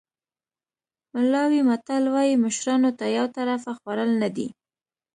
ملاوي متل وایي مشرانو ته یو طرفه خوړل نه دي.